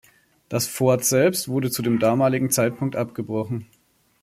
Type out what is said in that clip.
Das Fort selbst wurde zu dem damaligen Zeitpunkt abgebrochen.